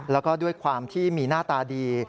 แล้วก็ด้วยความที่มีหน้าตาดี